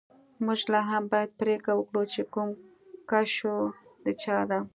موږ لاهم باید پریکړه وکړو چې کوم کشو د چا ده